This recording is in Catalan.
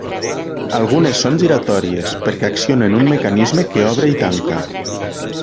Algunes són giratòries, perquè accionen un mecanisme que obre i tanca.